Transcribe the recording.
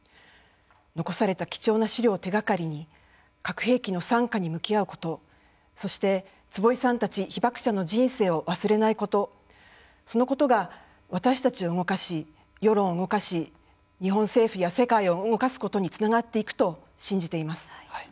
残された貴重な資料を手がかりに核兵器の惨禍に向き合うことそして、坪井さんたち被爆者の人生を忘れないことそのことが私たちを動かし世論を動かし日本政府や世界を動かすことにつながっていくと信じています。